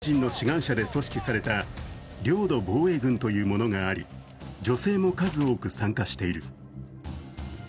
ウクライナには、民間人の志願者で組織された領土防衛軍というものがあり女性も数多く参加している。